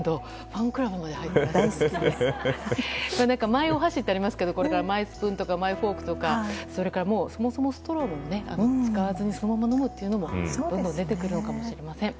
マイ箸ってありますけどこれからはマイフォークとかそれからそもそもストローを使わずにそのまま飲むというのもどんどん出てくるのかもしれません。